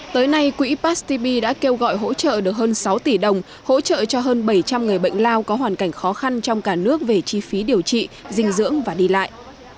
tới nay quỹ past tp đã kêu gọi hỗ trợ được hơn sáu tỷ đồng hỗ trợ cho hơn bảy trăm linh người bệnh lao có hoàn cảnh khó khăn trong cả nước về chi phí điều trị dinh dưỡng và đi lại